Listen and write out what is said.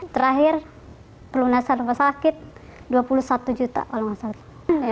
terakhir pelunasan rumah sakit dua puluh satu juta kalau nggak salah